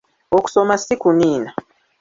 Okusoma si kuniina.